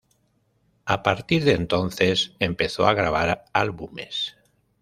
A partir de entonces empezó a grabar álbumes.